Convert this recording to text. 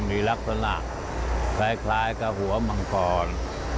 มีลักษณะคล้ายกับหัวมังกร